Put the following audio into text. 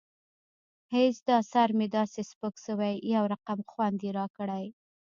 هېڅ دا سر مې داسې سپک سوى يو رقم خوند يې راکړى.